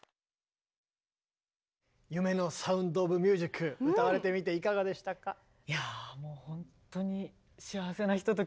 夢の「サウンド・オブ・ミュージック」歌われてみていかがでしたか？